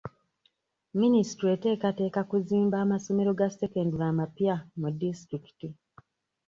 Minisitule eteekateeka kuzimba amasomero ga sekendule amapya mu disitulikiti.